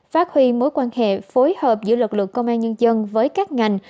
phát huy mối quan hệ phối hợp giữa lực lượng công an nhân dân với các ngành